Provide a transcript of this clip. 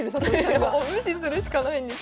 もう無視するしかないんです。